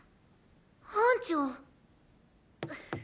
班長。